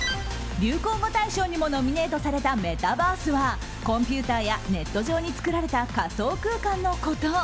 流行語大賞にもノミネートされたメタバースはコンピューターやネット上に作られた、仮想空間のこと。